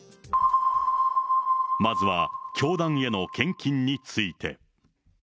まずは教団への献金について。